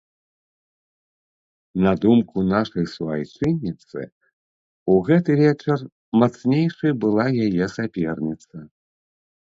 На думку нашай суайчынніцы, у гэты вечар мацнейшай была яе саперніца.